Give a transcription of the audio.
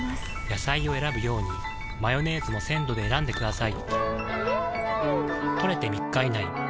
野菜を選ぶようにマヨネーズも鮮度で選んでくださいん！